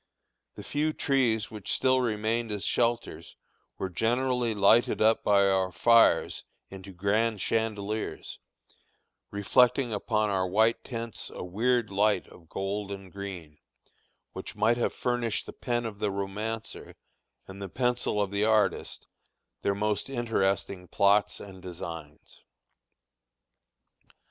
The few trees which still remained as shelters were generally lighted up by our fires into grand chandeliers, reflecting upon our white tents a weird light of gold and green, which might have furnished the pen of the romancer, and the pencil of the artist, their most interesting plots and designs.